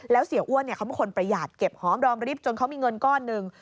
แล้วเสียอ้วนเขาเป็นคนประหยัดเก็บหอมรอมริบจนเขามีเงินก้อนหนึ่ง